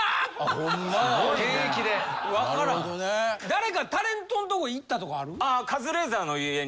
誰かタレントのとこ行ったとかある？